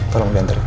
tolong dia anterin